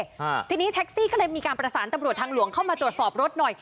อ่าทีนี้แท็กซี่ก็เลยมีการประสานตำรวจทางหลวงเข้ามาตรวจสอบรถหน่อย